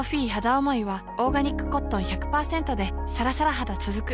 おもいはオーガニックコットン １００％ でさらさら肌つづく